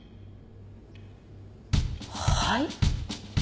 はい？